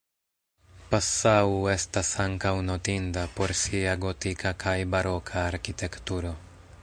Passau estas ankaŭ notinda por sia gotika kaj baroka arkitekturo.